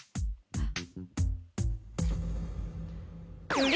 あっ。